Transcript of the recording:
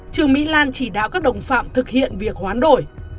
trương mỹ lan chỉ đạo các đồng phạm thực hiện việc hoán đổi